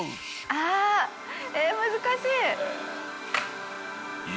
あっ難しい。